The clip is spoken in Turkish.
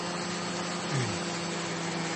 Gün